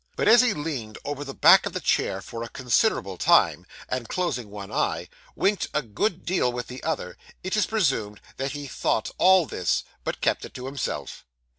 But as he leaned over the back of the chair for a considerable time, and closing one eye, winked a good deal with the other, it is presumed that he thought all this, but kept it to himself.